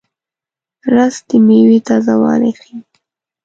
رس د میوې تازهوالی ښيي